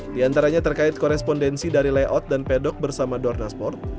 di antaranya terkait korespondensi dari layout dan pedok bersama dorna sport